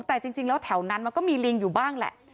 แต่จริงแล้วแถวนั้นมันก็มีลิงอยู่บ้างแหละ